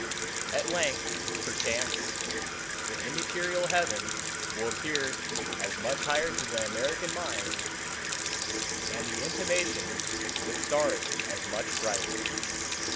At length, perchance, the immaterial heaven will appear as much higher to the American mind, and the intimations that star it as much brighter.